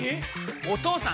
お義父さん！